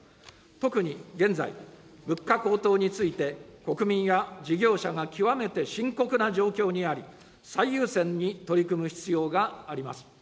特に現在、物価高騰について、国民や事業者が極めて深刻な状況にあり、最優先に取り組む必要があります。